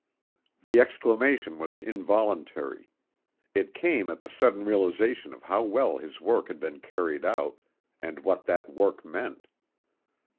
The exclamation was involuntary. It came at the sudden realization of how well his work had been carried out, and what that work meant.